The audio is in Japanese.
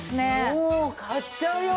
もう買っちゃうよ。